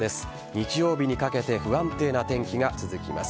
日曜日にかけて不安定な天気が続きます。